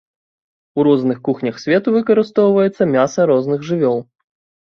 У розных кухнях свету выкарыстоўваецца мяса розных жывёл.